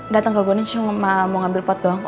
dateng ke gudang cuma mau ngambil pot doang